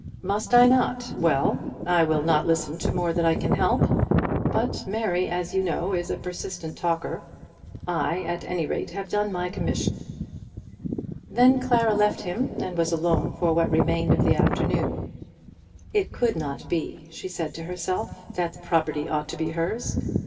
"Must I not? Well; I will not listen to more than I can help; but Mary, as you know, is a persistent talker. I, at any rate, have done my commission." Then Clara left him and was alone for what remained of the afternoon. It could not be, she said to herself, that the property ought to be hers.